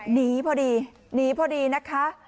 หนีพอดีนะคะ